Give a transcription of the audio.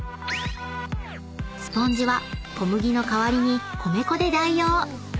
［スポンジは小麦の代わりに米粉で代用］